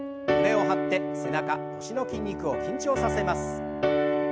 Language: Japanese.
胸を張って背中腰の筋肉を緊張させます。